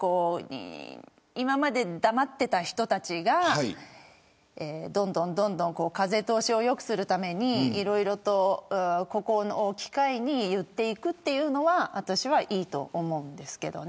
今まで黙っていた人たちがどんどん風通しをよくするためにこの機会に言っていくというのは私はいいと思います。